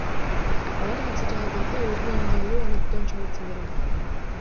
Алар материалдарды өзүнө ыңгайлуу өңүттөн чогултса керек.